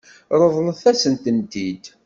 Ṛeḍlet-as-tent-id.